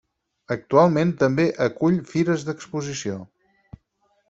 Actualment també acull fires d'exposició.